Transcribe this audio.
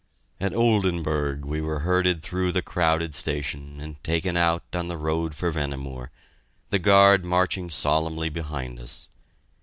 At Oldenburg we were herded through the crowded station and taken out on the road for Vehnemoor, the guard marching solemnly behind us.